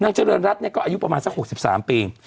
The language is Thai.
นางเจริญรัตน์ก็อายุประมาณซัก๖๓ปี